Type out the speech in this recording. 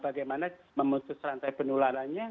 bagaimana memutus rantai penularannya